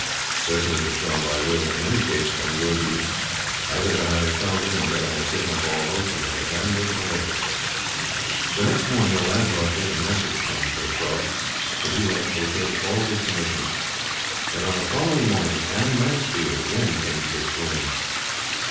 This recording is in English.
"Certainly, Pertaub. I will, in any case, send word to you, either that I have found him, or that I have given up all hope and have abandoned my efforts." The next morning a lad brought Dick a message, from Pertaub, that he had fulfilled all his commissions; and on the following morning, Annie Mansfield again came to Dick's room.